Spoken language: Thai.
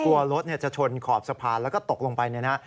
กลัวรถจะชนขอบสะพานแล้วก็ตกลงไปเนี่ยนะ